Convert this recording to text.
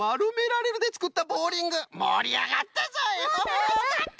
たのしかった！